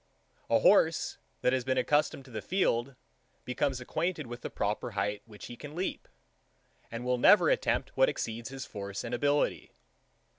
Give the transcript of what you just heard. A horse, that has been accustomed to the field, becomes acquainted with the proper height which he can leap, and will never attempt what exceeds his force and ability.